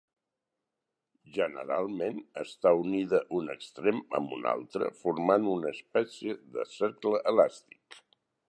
Generalment està unida un extrem amb un altre formant una espècie de cercle elàstic.